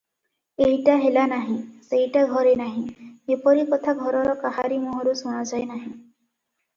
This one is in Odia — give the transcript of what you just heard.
ଏଇଟା ହେଲା ନାହିଁ, ସେଇଟା ଘରେ ନାହିଁ, ଏପରି କଥା ଘରର କାହାରି ମୁହଁରୁ ଶୁଣାଯାଏ ନାହିଁ ।